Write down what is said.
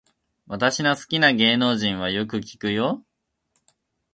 私の好きな芸能人はよく聞くよ